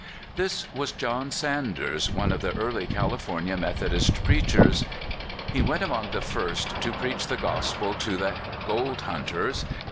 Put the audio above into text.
This was John Sanders, one of the early Cali fornia Methodist preachers. He went among the first to preach the gospel to the gold hunters.